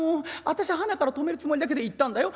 あたしゃはなから止めるつもりだけど行ったんだよ。